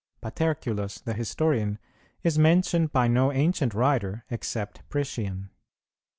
Paterculus, the historian, is mentioned by no ancient writer except Priscian.